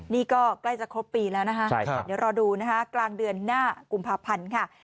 นี่ก็ใกล้จะครบปีแล้วนะคะเดี๋ยวรอดูนะคะกลางเดือนหน้ากุมภาพันธ์ค่ะ